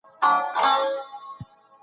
پر نارينه او ښځي دواړو ئې اطلاق کيږي.